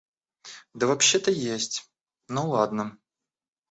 Да вообще-то есть... ну ладно!